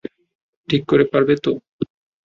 ঠিক করে পারবে তো?